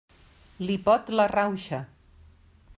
Li pot la rauxa.